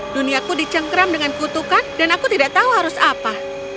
duniaku dicengkram dengan kutukan dan aku tidak tahu harus apa